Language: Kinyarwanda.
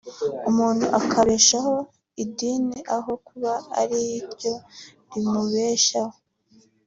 umuntu akabeshaho idini aho kuba ari ryo rimubeshaho